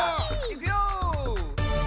いくよ！